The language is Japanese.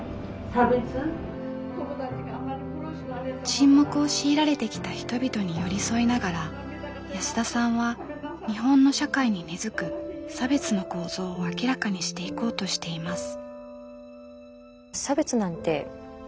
沈黙を強いられてきた人々に寄り添いながら安田さんは日本の社会に根づく差別の構造を明らかにしていこうとしています。